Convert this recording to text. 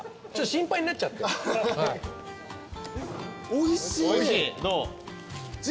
おいしい。